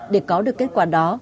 để có được kết quả đó